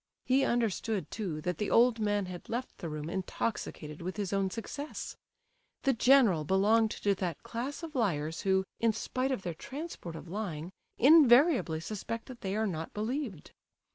He understood, too, that the old man had left the room intoxicated with his own success. The general belonged to that class of liars, who, in spite of their transports of lying, invariably suspect that they are not believed.